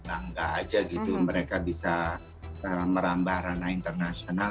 bangga aja gitu mereka bisa merambah ranah internasional